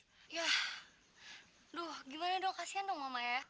aduh gimana dong kasihan dong mama ya